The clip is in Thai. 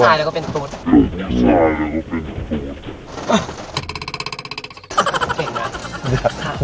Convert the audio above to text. เก่งนะ